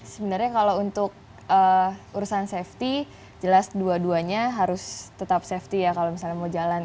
sebenarnya kalau untuk urusan safety jelas dua duanya harus tetap safety ya kalau misalnya mau jalan